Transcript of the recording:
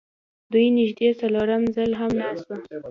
دوی نږدې څلورم ځل هم ناست وو